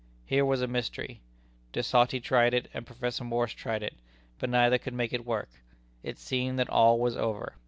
Here was a mystery. De Sauty tried it, and Professor Morse tried it. But neither could make it work. It seemed that all was over.